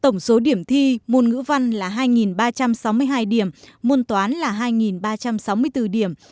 tổng số điểm thi môn ngữ văn là hai ba trăm sáu mươi hai điểm môn toán là hai ba trăm sáu mươi bốn điểm